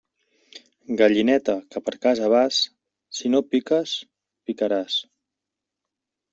Gallineta que per casa vas, si no piques, picaràs.